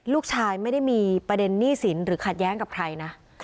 ลูกชายไม่ได้มีประเด็นหนี้สินหรือขัดแย้งกับใครนะ